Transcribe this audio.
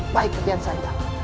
baik ken santang